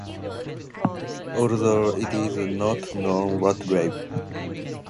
Although it is not known what Rev.